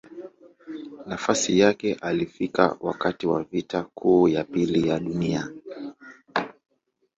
Nafasi yake alifika wakati wa Vita Kuu ya Pili ya Dunia.